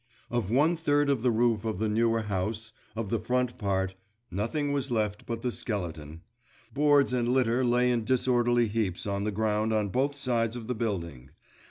Of one third of the roof of the newer house, of the front part, nothing was left but the skeleton; boards and litter lay in disorderly heaps on the ground on both sides of the building.